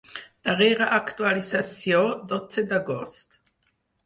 Darrera actualització: dotze d'agost.